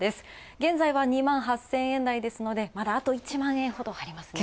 現在は２万８０００円台ですので、まだあと１万円ほどありますね。